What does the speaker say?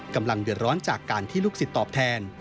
กำลังเดือดร้อนจากการที่ลูกศิษย์ตอบแทน